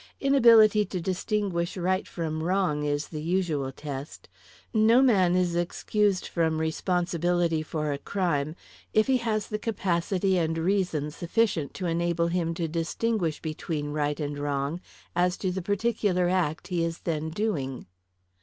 "Inability to distinguish right from wrong is the usual test. No man is excused from responsibility for a crime, if he has the capacity and reason sufficient to enable him to distinguish between right and wrong, as to the particular act he is then doing."